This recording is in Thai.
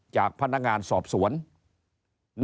จากพนักงานสอบสวน